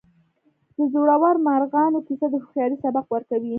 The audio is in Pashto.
د زړورو مارغانو کیسه د هوښیارۍ سبق ورکوي.